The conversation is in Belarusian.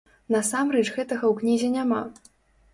Насамрэч гэтага ў кнізе няма.